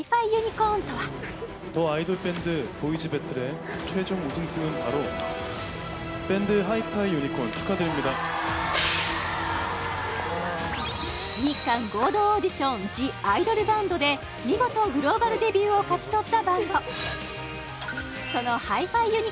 ｃｏｒｎとは日韓合同オーディション「ＴＨＥＩＤＯＬＢＡＮＤ」で見事グローバルデビューを勝ち取ったバンドそのＨｉ−ＦｉＵｎ！